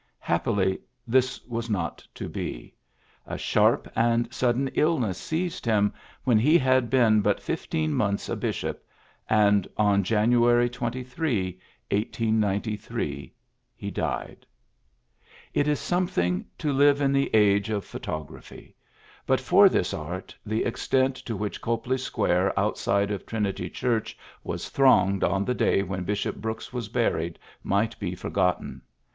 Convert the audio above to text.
Happily this was not to be. A sharp and sudden illness seized him when he had been but fifteen months a bishop ; and on January 23, 1893, he died. It is something to live in the age of 108 PHILLIPS BEOOKS photograpliy. But for this art the extent to which Copley Square outside of Trin ity Church was thronged on the day when Bishop Brooks was buried might be for gotten.